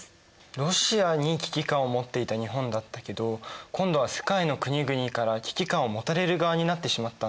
ロシアに危機感を持っていた日本だったけど今度は世界の国々から危機感を持たれる側になってしまったんですね。